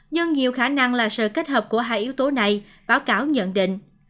nhưng nhiều khả năng là sự kết hợp của hai yếu tố này báo cáo nhận định